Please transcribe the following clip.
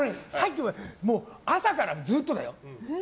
朝からずっとだよ。